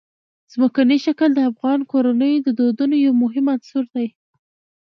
ځمکنی شکل د افغان کورنیو د دودونو یو مهم عنصر دی.